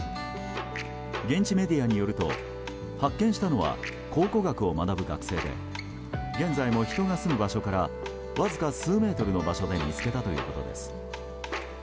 現地メディアによると発見したのは考古学を学ぶ学生で現在も人が住む場所からわずか数メートルの場所で見つけたということです。